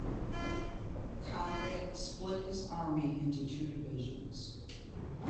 Conrad split his army into two divisions.